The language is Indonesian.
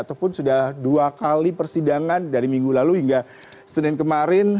ataupun sudah dua kali persidangan dari minggu lalu hingga senin kemarin